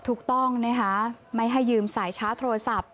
ถูกต้องนะคะไม่ให้ยืมสายชาร์จโทรศัพท์